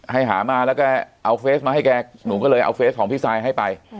หามาแล้วก็เอาเฟสมาให้แกหนูก็เลยเอาเฟสของพี่ซายให้ไป